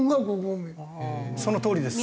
そのとおりです